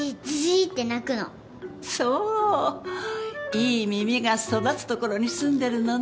いい耳が育つところに住んでるのね。